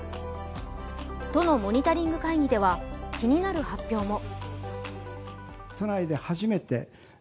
都のモニタリング会議では気になる発表も。